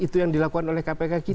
itu yang dilakukan oleh kpk